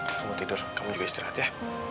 aku mau tidur kamu juga istirahat ya